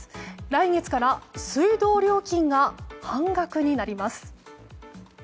来月から水道料金が半額になります。